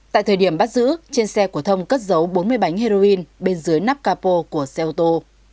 tại thời điểm bắt giữ trên xe của thông cất giấu bốn mươi bánh heroin bên dưới nắp capo của xe ô tô